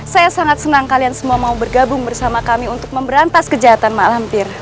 saya sangat senang kalian semua mau bergabung bersama kami untuk memberantas kejahatan mak lampir